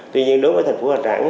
tuy nhiên đối với thành phố hà nẵng